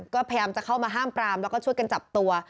ก็พยายามจะเข้ามาห้ามปรามแล้วก็ช่วยกันจับตัว